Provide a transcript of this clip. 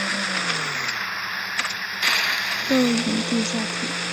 都营地下铁